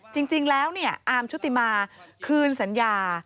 จริงแล้วอาร์มชุติมาร์คืนสัญญา